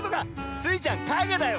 スイちゃんかげだよ！